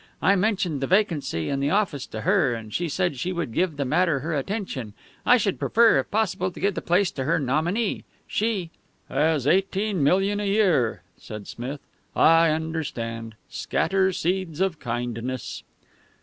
I mentioned the vacancy in the office to her, and she said she would give the matter her attention. I should prefer, if possible, to give the place to her nominee. She "" has eighteen million a year," said Smith. "I understand. Scatter seeds of kindness."